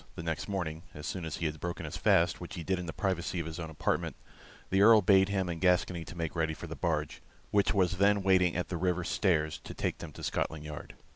The next morning, as soon as he had broken his fast, which he did in the privacy of his own apartments, the Earl bade him and Gascoyne to make ready for the barge, which was then waiting at the river stairs to take them to Scotland Yard.